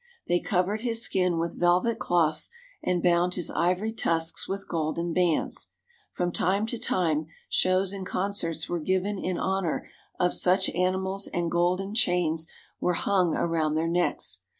They covered his skin with velvet cloths and bound his ivory tusks with golden bands. From time to time shows and concerts were given in honor of such animals and golden chains were hung around their necks.